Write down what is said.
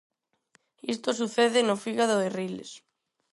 Isto sucede no fígado e riles.